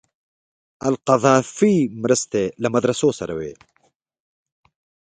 القذافي مرستې له مدرسو سره وې.